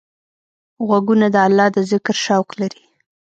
غوږونه د الله د ذکر شوق لري